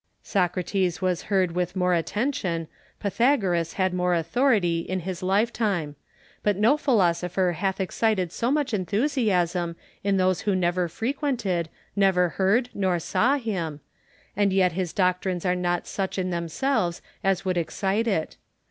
Socrates was heard with more attention, Pythagoras had more authority in his lifetime ; but no philosopher hath excited so much enthusiasm in those who never frequented, never heard nor saw him ; and yet his doctrines are not such in themselves as would excite it.